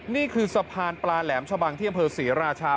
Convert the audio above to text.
นี่คือสะพานปลาแหลมชะบังที่อำเภอศรีราชา